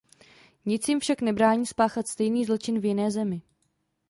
Nic jim však nebrání spáchat stejný zločin v jiné zemi.